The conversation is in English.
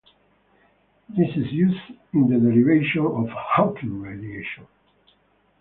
This is used in the derivation of Hawking radiation.